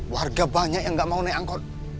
warga banyak yang nggak mau naik angkot